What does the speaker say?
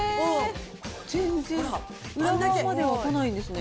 全然、裏側まではこないんですね。